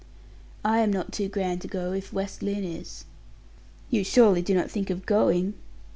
I am not too grand to go, if West Lynne is." "You surely do not think of going?"